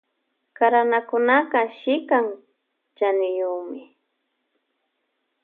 Karanakunaka shikan chaniyukmi.